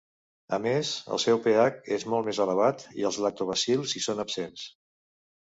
A més, el seu pH és molt més elevat i els lactobacils hi són absents.